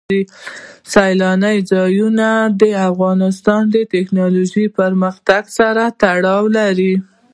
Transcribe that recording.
سیلانی ځایونه د افغانستان د تکنالوژۍ پرمختګ سره تړاو لري.